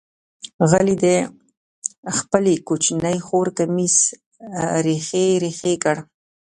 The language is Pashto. علي د خپلې کوچنۍ خور کمیس ریخې ریخې کړ.